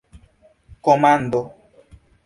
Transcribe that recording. komando